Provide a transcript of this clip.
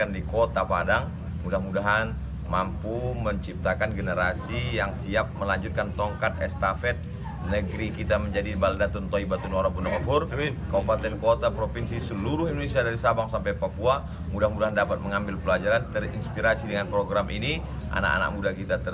dan juga untuk memperbaiki perbuatan keji dan munkar